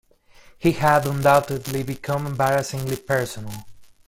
He had undoubtedly become embarrassingly personal.